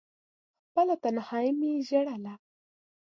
خپله تنهايي مې ژړله…